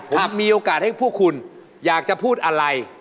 ผมมีโอกาสให้พวกคุณอยากจะพูดอะไร